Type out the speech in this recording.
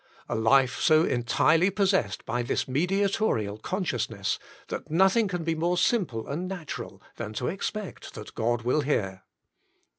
A life so entirely pos sessed by this mediatorial consciousness that nothing can be more simple and natural than to expect that God will hear.